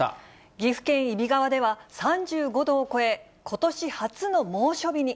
岐阜県揖斐川では３５度を超え、ことし初の猛暑日に。